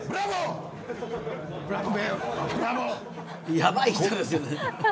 やばい人ですよね。